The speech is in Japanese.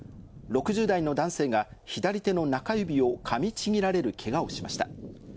６０代の男性が左手の中指をかみちぎられるけがをしました。